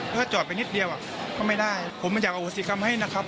ถ้าจอดไปนิดเดียวก็ไม่ได้ผมไม่อยากอโหสิกรรมให้นะครับ